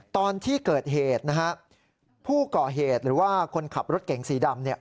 ตอนที่เกิดเหตุผู้เกาะเหตุหรือว่าคนขับรถเก่งสีดำ